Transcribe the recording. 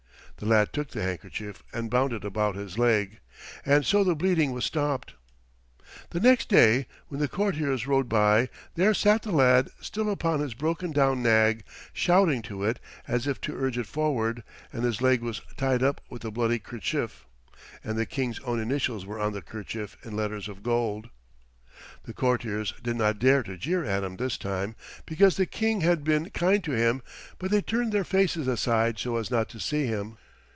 The lad took the handkerchief and bound it about his leg, and so the bleeding was stopped. The next day, when the courtiers rode by, there sat the lad still upon his broken down nag, shouting to it as if to urge it forward, and his leg was tied up with the bloody kerchief, and the King's own initials were on the kerchief in letters of gold. The courtiers did not dare to jeer at him this time, because the King had been kind to him, but they turned their faces aside so as not to see him.